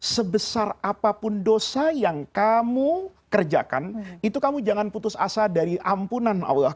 sebesar apapun dosa yang kamu kerjakan itu kamu jangan putus asa dari ampunan allah